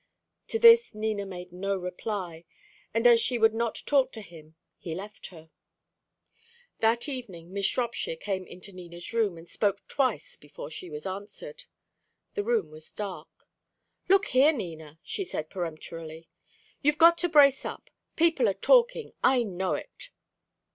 To this Nina made no reply, and as she would not talk to him, he left her. That evening Miss Shropshire came into Nina's room, and spoke twice before she was answered. The room was dark. "Look here, Nina!" she said peremptorily. "You've got to brace up. People are talking. I know it!"